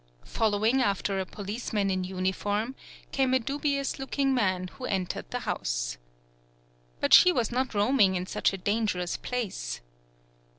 Following after a policeman in uni form came a dubious looking man, who entered the house. But she was not roaming in such a dangerous place.